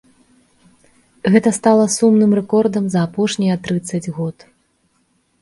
Гэта сталася сумным рэкордам за апошнія трыццаць год.